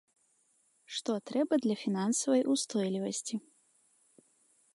Што трэба для фінансавай устойлівасці?